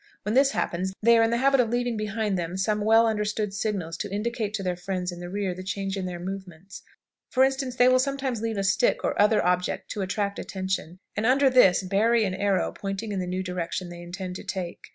When this happens, they are in the habit of leaving behind them some well understood signals to indicate to their friends in the rear the change in their movements. For instance, they will sometimes leave a stick or other object to attract attention, and under this bury an arrow pointing in the new direction they intend to take.